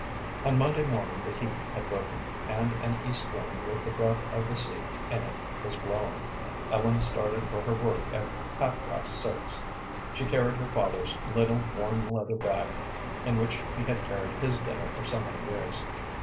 On Monday morning the heat had broken, and an east wind with the breath of the sea in it was blowing. Ellen started for her work at half past six. She held her father's little, worn leather bag, in which he had carried his dinner for so many years.